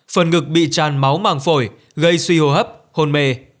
phần ngực bị tràn máu màng phổi gây suy hô hấp hôn mê